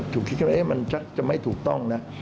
คิดว่ามันจะไม่ถูกต้องนะ